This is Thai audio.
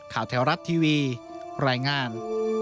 ข่าวแถวรัตน์ทีวีรายงาน